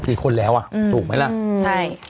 กี่คนแล้วอ่ะถูกไหมล่ะใช่